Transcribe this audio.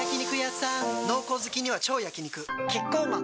濃厚好きには超焼肉キッコーマン